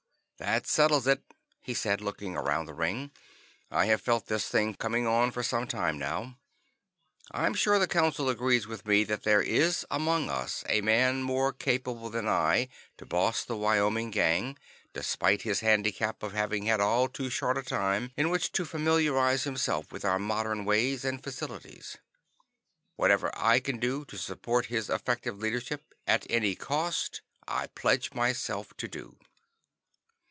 "That settles it," he said, looking around the ring. "I have felt this thing coming on for some time now. I'm sure the Council agrees with me that there is among us a man more capable than I, to boss the Wyoming Gang, despite his handicap of having had all too short a time in which to familiarize himself with our modern ways and facilities. Whatever I can do to support his effective leadership, at any cost, I pledge myself to do."